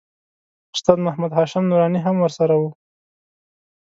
استاد محمد هاشم نوراني هم ورسره و.